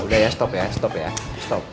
udah ya stop ya stop ya stop